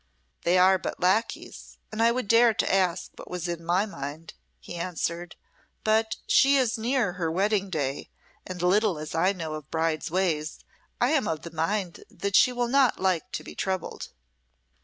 "They are but lacqueys, and I would dare to ask what was in my mind," he answered; "but she is near her wedding day, and little as I know of brides' ways, I am of the mind that she will not like to be troubled."